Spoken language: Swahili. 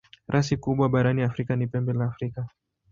Rasi kubwa barani Afrika ni Pembe la Afrika.